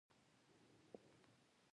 کلنټن دولت دې ته تیار شوی و.